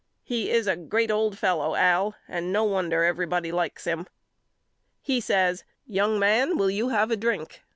He is a great old fellow Al and no wonder everybody likes him. He says Young man will you have a drink?